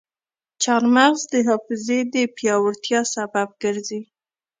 چارمغز د حافظې د پیاوړتیا سبب ګرځي.